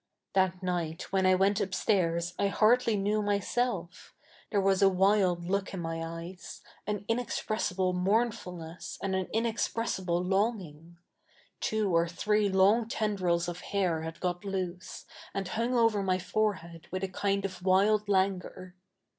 That 7iight, whe7i I we7tt upstairs, I hardly knew 77iyself There was a wild look in my eyes — a7i i7iexpressible mou7 7fulness a7id a7i i7iexpressible lo7iging. Two or three long tendf'ils oj hair had got loose, and hung over 7)iy forehead with a kind of wild laftguor.